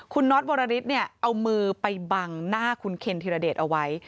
คุณน็อตวรริสเนี่ยเอามือไปบังหน้าคุณเคนธิรเดชเอาไว้